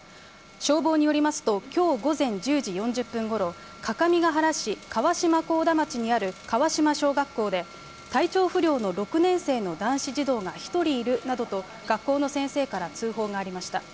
消防によりますと、きょう午前１０時４０分ごろ、各務原市川島河田町にあるかわしま小学校で、体調不良の６年生の男子児童が１人いるなどと、学校の先生から通報がありました。